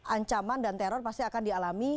ancaman dan teror pasti akan dialami